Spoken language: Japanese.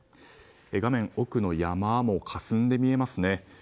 画面奥の山もかすんで見えますね。